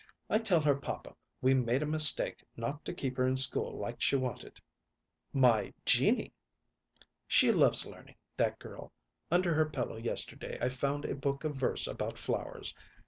I tell her papa we made a mistake not to keep her in school like she wanted." "My Jeannie " "She loves learning, that girl. Under her pillow yesterday I found a book of verses about flowers.